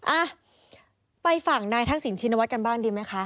อ่ะไปฝั่งนายทักษิณชินวัฒนกันบ้างดีไหมคะ